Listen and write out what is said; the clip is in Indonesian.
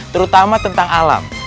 terutama tentang alam